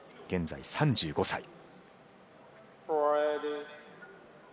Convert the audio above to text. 現在３５歳。